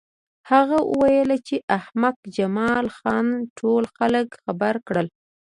هغه وویل چې احمق جمال خان ټول خلک خبر کړل